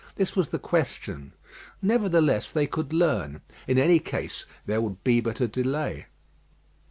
This was the question. Nevertheless, they could learn. In any case there would be but a delay.